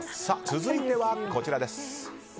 続いては、こちらです。